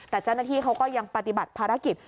แต่เจ้าหน้าที่เขาก็ยังปฏิบัติภารกิจ